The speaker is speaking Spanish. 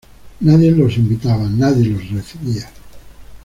Nadie los invitaba, nadie los recibía.